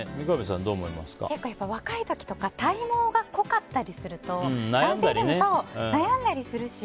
若い時とか体毛が濃かったりすると男性でも、悩んだりするし。